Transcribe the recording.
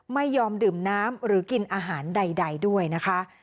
ไม่ยอมดื่มน้ำหรือกินอาหารใดด้วยนะคะ